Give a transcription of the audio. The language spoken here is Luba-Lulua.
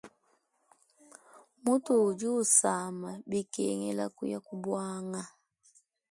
Mutu udi usama bikengela kuya ku buanga.